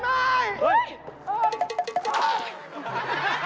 ไฟไหม้